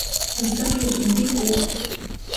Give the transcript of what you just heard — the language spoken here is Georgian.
ზუსტად თხუთმეტი კუა.